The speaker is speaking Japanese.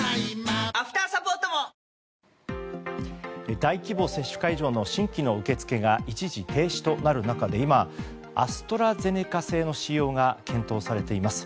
大規模接種会場の新規の受け付けが一時停止となる中で今、アストラゼネカ製の使用が検討されています。